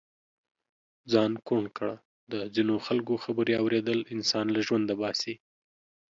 ځان ڪوڼ ڪړه د ځينو خلڪو خبرې اوریدل انسان له ژونده باسي.